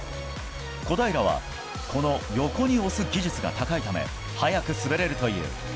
小平は、この横に押す技術が高いため速く滑れるという。